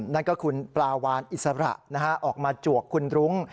นั่นก็คุณปลาวานอิสระออกมาจวกคุณรุ้ง